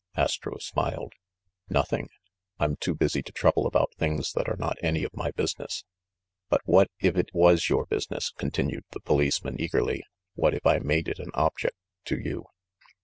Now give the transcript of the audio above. Astro smiled. "Nothing. I'm too busy to trouble about things that are not any of my business." "But what if it was your business?" continued the policeman eagerly. "What if I made it an object to you?"